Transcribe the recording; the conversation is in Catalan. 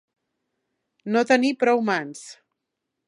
No tenir prou mans.